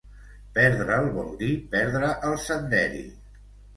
Perdre'l vol dir perdre el senderi.